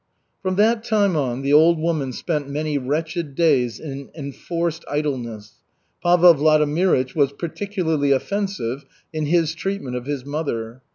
From that time on the old woman spent many wretched days in enforced idleness. Pavel Vladimirych was particularly offensive in his treatment of his mother.